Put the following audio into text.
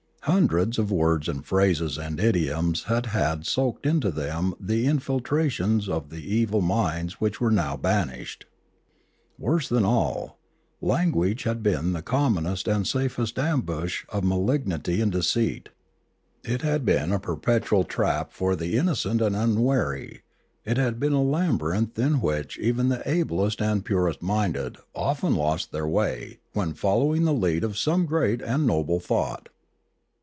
Hundreds of words and phrases and idioms had had soaked into them the infiltrations of the evil minds which were now banished. Worse than all, language had been the commonest and safest ambush of malignity and deceit; it had been a perpetual trap for the inno Literature 4°9 cent and unwary; it had been a labyrinth, in which even the ablest and purest minded often lost their way when following the lead of some great and noble thought.